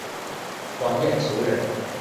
王晏球人。